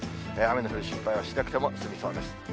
雨の降る心配はしなくても済みそうです。